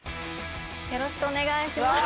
よろしくお願いします。